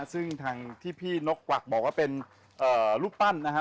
ซึ่งทางที่พี่นกกวักบอกว่าเป็นรูปปั้นนะฮะ